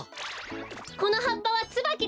このはっぱはつばきです。